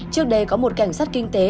trước đây có một cảnh sát kinh tế